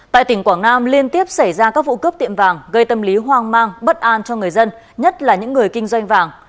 tại tỉnh quảng nam liên tiếp xảy ra các vụ cướp tiệm vàng gây tâm lý hoang mang bất an cho người dân nhất là những người kinh doanh vàng